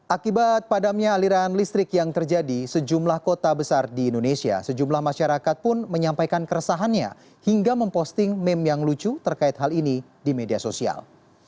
akibat padamnya aliran listrik yang terjadi sejumlah kota besar di indonesia sejumlah masyarakat pun menyampaikan keresahannya hingga memposting meme yang lucu terkait hal ini di media sosial